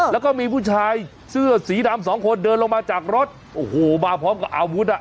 แล้วก็มีผู้ชายเสื้อสีดำสองคนเดินลงมาจากรถโอ้โหมาพร้อมกับอาวุธอ่ะ